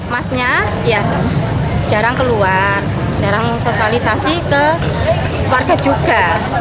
masnya ya jarang keluar jarang sosialisasi ke warga juga